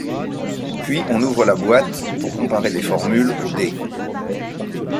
Puis, on ouvre la boîte pour comparer les formules aux dés.